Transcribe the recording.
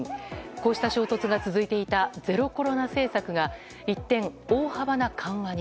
こうした衝突が続いていたゼロコロナ政策が一転大幅な緩和に。